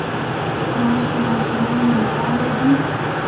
ماش د ماشومانو لپاره دي.